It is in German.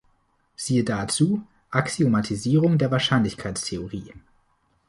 Siehe dazu: Axiomatisierung der Wahrscheinlichkeitstheorie